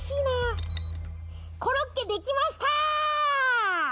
コロッケできました！